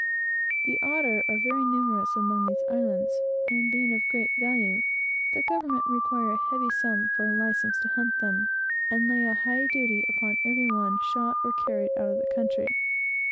The otter are very numerous among these islands, and being of great value, the government require a heavy sum for a license to hunt them, and lay a high duty upon every one shot or carried out of the country.